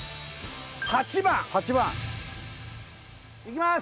８番８番いきます